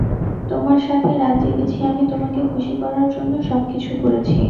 তোমার সাথে রাত জেগেছি আমি তোমাকে খুশি করার জন্য সবকিছু করেছি।